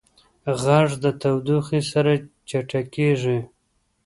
غږ د تودوخې سره چټکېږي.